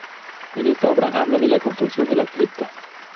En esta obra habla de la construcción de la cripta.